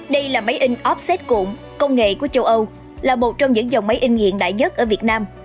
đây là máy in ofset cụm công nghệ của châu âu là một trong những dòng máy in hiện đại nhất ở việt nam